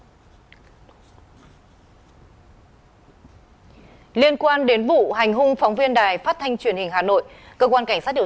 liên quan đến vụ hành hung phóng viên đài phát thanh truyền hình hà nội cơ quan cảnh sát điều